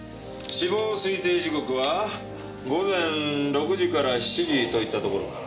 死亡推定時刻は午前６時から７時といったところか。